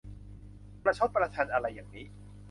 ประชดประชันอะไรอย่างนี้ !